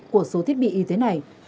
của số thiết bị y tế này